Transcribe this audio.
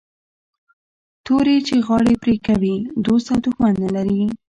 توري چي غاړي پرې کوي دوست او دښمن نه لري